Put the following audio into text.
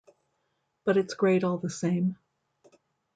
But it's great all the same.